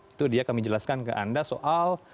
itu dia kami jelaskan ke anda soal